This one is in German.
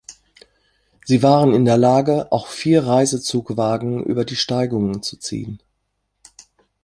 Sie waren in der Lage auch vier Reisezugwagen über die Steigungen zu ziehen.